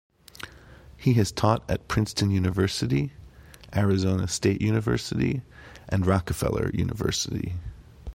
He has taught at Princeton University, Arizona State University and Rockefeller University.